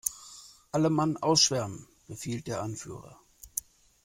"Alle Mann ausschwärmen!", befiehlt der Anführer.